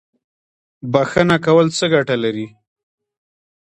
بخښنه کول څه ګټه لري؟